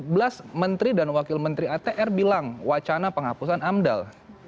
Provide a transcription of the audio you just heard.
dua ribu sembilan belas belas menteri dan wakil menteri atr bilang wacana penghapusan amdal